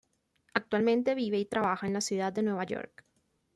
Actualmente vive y trabaja en la ciudad de Nueva York.